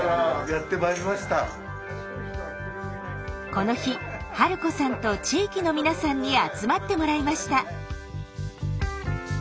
この日治子さんと地域の皆さんに集まってもらいました。